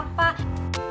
sampai di papa papa